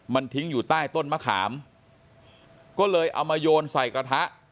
มันทิ้งอยู่ใต้ต้นมะขามก็เลยเอามาโยนใส่กระทะ